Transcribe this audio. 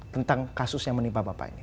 tentang kasus yang menimpa bapak ini